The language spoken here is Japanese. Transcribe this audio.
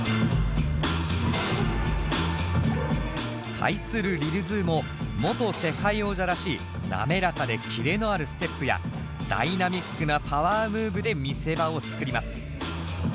対するＬｉｌＺｏｏも元世界王者らしい滑らかでキレのあるステップやダイナミックなパワームーブで見せ場を作ります。